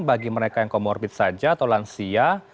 bagi mereka yang comorbid saja atau lansia